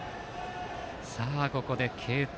ここで継投。